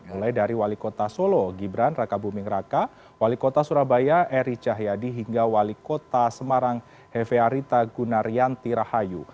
mulai dari wali kota solo gibran raka buming raka wali kota surabaya eri cahyadi hingga wali kota semarang hefe arita gunaryanti rahayu